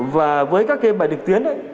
và với các cái bài lực tuyến